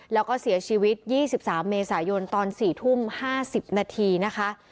แล้วก็เสียชีวิต๒๓เมษายนตอน๔ทุ่ม๕๐นาทีนะคะ